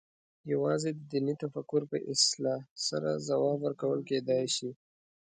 یوازې د دیني تفکر په اصلاح سره ځواب ورکول کېدای شي.